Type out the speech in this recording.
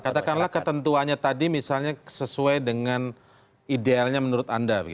katakanlah ketentuannya tadi misalnya sesuai dengan idealnya menurut anda